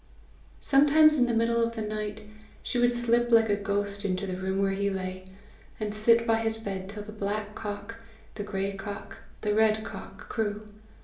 Sometimes in the middle of the night she would slip like a ghost into the room where he lay, and sit by his bed till the black cock, the gray cock, the red cock crew.